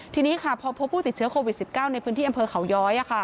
ทีนี้ค่ะพอพบผู้ติดเชื้อโควิด๑๙ในพื้นที่อำเภอเขาย้อย